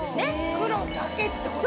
黒だけってこと。